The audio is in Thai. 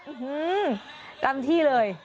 อื้อหือตั้งที่เลย